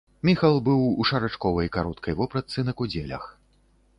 Міхал быў у шарачковай кароткай вопратцы на кудзелях.